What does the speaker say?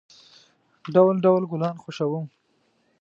ډول، ډول گلان خوښوم.